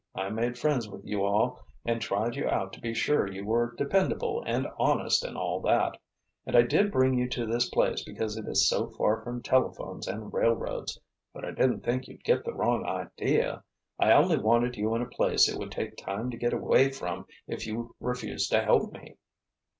I made friends with you all and tried you out to be sure you were dependable and honest and all that—and I did bring you to this place because it is so far from telephones and railroads. But I didn't think you'd get the wrong idea. I only wanted you in a place it would take time to get away from if you refused to help me."